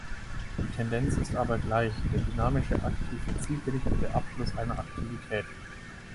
Die Tendenz ist aber gleich, der dynamische, aktive, zielgerichtete Abschluss einer Aktivität.